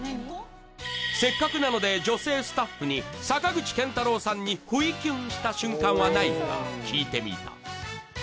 せっかくなので女性スタッフに坂口健太郎さんに不意キュンした瞬間はないか聞いてみた